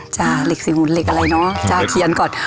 เหล็กสี่หูนเหล็กอะไรเนอะจ้าเทียนก่อน